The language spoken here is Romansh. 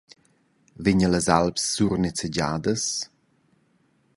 Vegnan las Alps surnezegiadas?